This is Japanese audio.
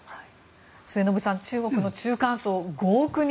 末延さん、中国の中間層５億人。